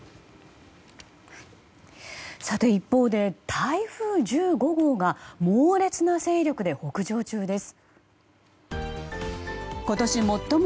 一方で台風１５号が猛烈な勢力で北上中です。